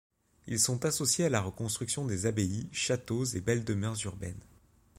Ils sont associés à la reconstruction des abbayes, châteaux et des belles demeures urbaines.